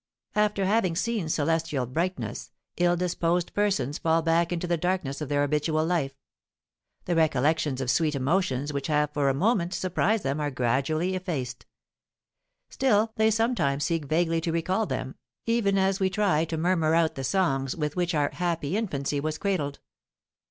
After having seen celestial brightness, ill disposed persons fall back into the darkness of their habitual life; the recollections of sweet emotions which have for a moment surprised them are gradually effaced. Still they sometimes seek vaguely to recall them, even as we try to murmur out the songs with which our happy infancy was cradled.